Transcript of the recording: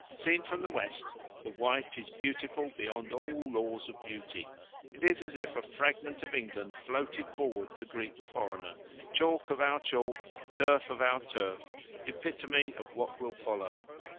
Seen from the west, the Wight is beautiful beyond all laws of beauty. It is as if a fragment of England floated forward to greet the foreigner chalk of our chalk, turf of our turf, epitome of what will follow.